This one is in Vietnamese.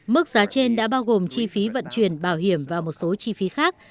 mức giá trên đã bao gồm chi phí vận chuyển bảo hiểm và một số chi phí khác